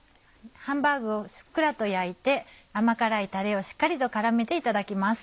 ハンバーグをふっくらと焼いて甘辛いたれをしっかりと絡めていただきます。